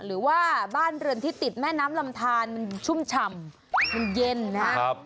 หรือว่าบ้านเรือนที่ติดแม่น้ำลำทานมันชุ่มฉ่ำมันเย็นนะครับ